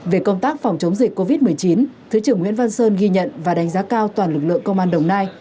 về công tác phòng chống dịch covid một mươi chín thứ trưởng nguyễn văn sơn ghi nhận và đánh giá cao toàn lực lượng công an đồng nai